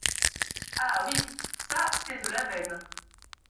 Ah ! oui !… ça c’est de la veine !